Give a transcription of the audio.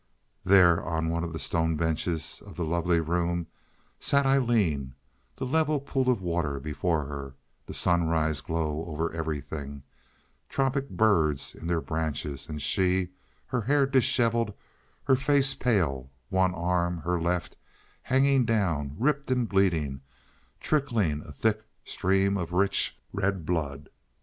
There on one of the stone benches of the lovely room sat Aileen, the level pool of water before her, the sunrise glow over every thing, tropic birds in their branches, and she, her hair disheveled, her face pale, one arm—her left—hanging down, ripped and bleeding, trickling a thick stream of rich, red blood.